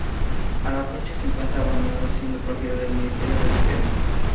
A la fecha se encuentra abandonado, siendo propiedad del Ministerio de Defensa.